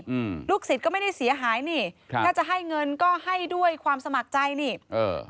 อืมลูกศิษย์ก็ไม่ได้เสียหายนี่ครับถ้าจะให้เงินก็ให้ด้วยความสมัครใจนี่เออ